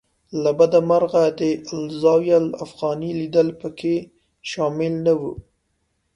له بده مرغه د الزاویة الافغانیه لیدل په کې شامل نه و.